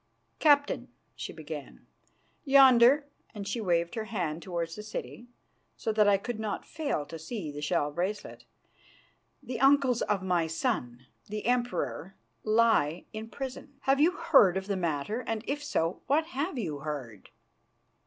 "Captain," she began, "yonder" and she waved her hand towards the city, so that I could not fail to see the shell bracelet "the uncles of my son, the Emperor, lie in prison. Have you heard of the matter, and, if so, what have you heard?"